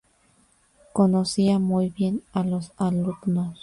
Conocía muy bien a los alumnos.